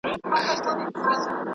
هغه وويل چي مکتب مهم دی.